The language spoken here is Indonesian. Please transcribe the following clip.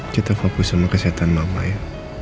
kita fokus sama kesehatan bapak ya